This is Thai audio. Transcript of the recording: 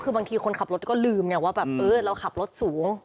คือบางทีคนขับรถก็ลืมไงว่าแบบเออเราขับรถสูง